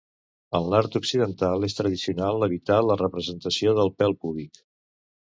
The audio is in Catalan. En l'art occidental és tradicional evitar la representació del pèl púbic.